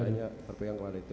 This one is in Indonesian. pokoknya terpengang pada itu